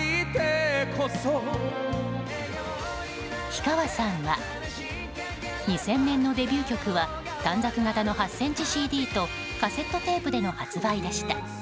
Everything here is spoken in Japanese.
氷川さんは２０００年のデビュー曲は短冊形の８ｃｍＣＤとカセットテープでの発売でした。